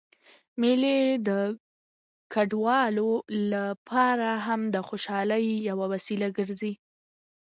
مېلې د کډوالو له پاره هم د خوشحالۍ یوه وسیله ګرځي.